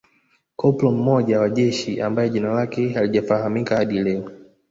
Koplo mmoja wa jeshi ambaye jina lake halijafahamika hadi leo